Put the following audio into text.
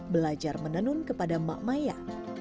belajar menenun kepada mak maya